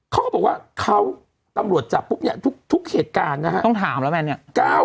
เขาก็บอกว่าเขาตำรวจจับปุ๊บเนี่ยทุกเหตุการณ์นะฮะ